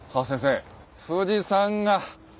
富士山が！